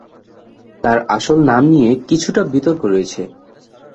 তার আসল নাম নিয়ে কিছুটা বিতর্ক রয়েছে।